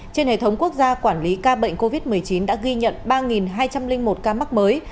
trên hệ thống quốc gia quản lý ca bệnh covid một mươi chín đã ghi nhận ba hai trăm linh một ca mắc mới